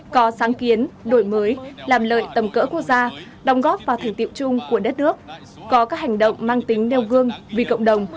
có sáng kiến đổi mới làm lợi tầm cỡ quốc gia đồng góp vào thành tiệu chung của đất nước có các hành động mang tính đeo gương vì cộng đồng